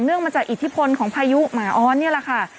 มาจากอิทธิพลของพายุหมาอ้อนนี่แหละค่ะ